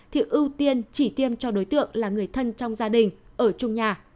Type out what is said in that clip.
thì ưu tiên chỉ tiêm cho đối tượng là người thân trong gia đình ở trung nhà